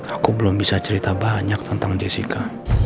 aku belum bisa cerita banyak tentang jessica